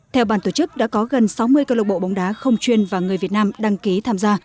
theo bàn tổ chức đã có gần sáu mươi cơ lộc bộ bóng đá không chuyên và người việt nam đăng ký tham gia